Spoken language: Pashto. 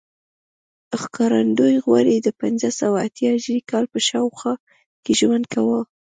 ښکارندوی غوري د پنځه سوه اتیا هجري کال په شاوخوا کې ژوند کاوه